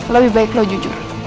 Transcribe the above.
lebih baik lo jujur